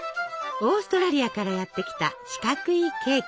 オーストラリアからやって来た四角いケーキ！